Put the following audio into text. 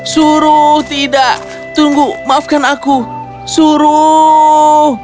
suruh tidak tunggu maafkan aku suruh